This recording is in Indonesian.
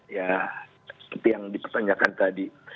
ya seperti yang dipertanyakan tadi